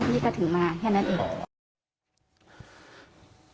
พี่ก็ถึงมาแค่นั้นอีก